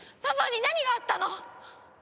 パパに何があったの！？